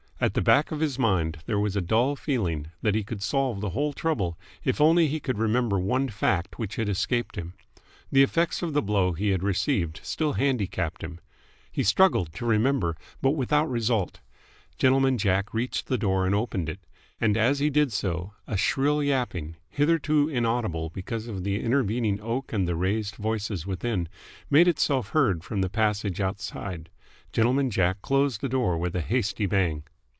At the back of his mind there was a dull feeling that he could solve the whole trouble if only he could remember one fact which had escaped him. The effects of the blow he had received still handicapped him. He struggled to remember, but without result. Gentleman Jack reached the door and opened it: and as he did so a shrill yapping, hitherto inaudible because of the intervening oak and the raised voices within, made itself heard from the passage outside. Gentleman Jack closed the door with a hasty bang.